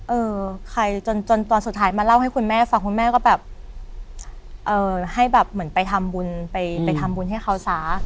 เออใครจนจนตอนสุดท้ายมาเล่าให้คุณแม่ฟังคุณแม่ก็แบบเอ่อให้แบบเหมือนไปทำบุญไปทำบุญให้เขาซะ